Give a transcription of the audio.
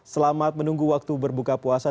selamat menunggu waktu berbuka puasa